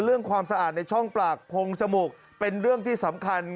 ความสะอาดในช่องปากโพงจมูกเป็นเรื่องที่สำคัญ